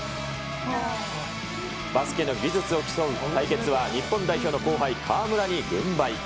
バスケの技術を競う対決は日本代表の後輩、河村に軍配。